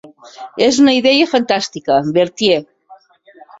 És una idea fantàstica, Bertie.